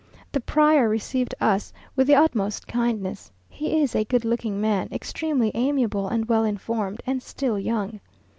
The prior received us with the utmost kindness: he is a good looking man, extremely amiable and well informed, and still young.